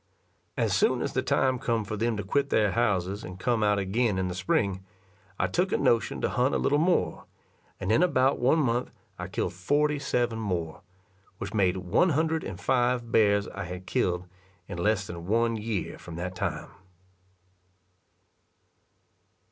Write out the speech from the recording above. As soon as the time come for them to quit their houses and come out again in the spring, I took a notion to hunt a little more, and in about one month I killed forty seven more, which made one hundred and five bears I had killed in less than one year from that time.